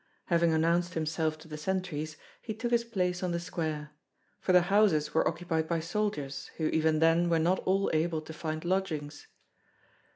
Having announced himself to the sentries, he took his place on the square; for the houses were occupied by soldiers, who even then were not all able to find lodgings.